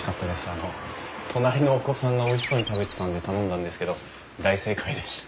あの隣のお子さんがおいしそうに食べてたので頼んだんですけど大正解でした。